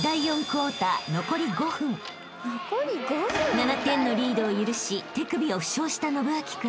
［７点のリードを許し手首を負傷した伸光君］